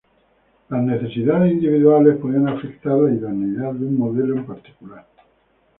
Las necesidades individuales pueden afectar la idoneidad de un modelo en particular.